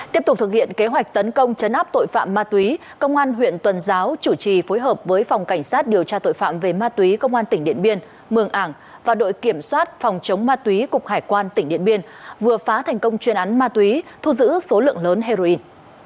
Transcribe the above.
tiếp tục thực hiện kế hoạch tấn công chấn áp tội phạm ma túy công an huyện tuần giáo chủ trì phối hợp với phòng cảnh sát điều tra tội phạm về ma túy công an tỉnh điện biên mường ảng và đội kiểm soát phòng chống ma túy cục hải quan tỉnh điện biên vừa phá thành công chuyên án ma túy thu giữ số lượng lớn heroin